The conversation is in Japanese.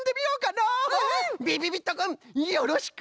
びびびっとくんよろしく！